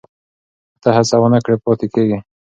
که ته هڅه ونه کړې پاتې کېږې.